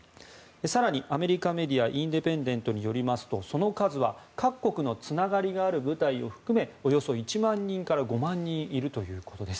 更に、アメリカメディアインデペンデントによりますとその数は各国のつながりがある部隊を含めおよそ１万人から５万人いるということです。